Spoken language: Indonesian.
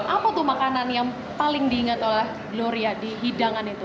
apa tuh makanan yang paling diingat oleh gloria di hidangan itu